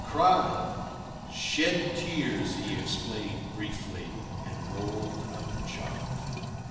"Cry?" "Shed tears," he explained briefly, and rolled up the chart.